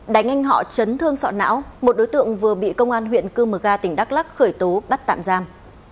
đánh anh họ chấn thương sọ não một đối tượng vừa bị công an huyện cư mờ ga tỉnh đắk lắc khởi tố bắt tạm giam